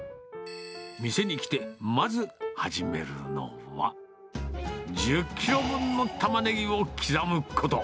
店に来て、まず始めるのは、１０キロ分のタマネギを刻むこと。